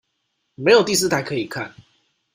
沒有第四台可以看